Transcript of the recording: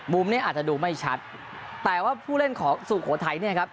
มุมนี้อาจจะดูไม่ชัดแต่ว่าผู้เล่นของสุโขทัยเนี่ยครับ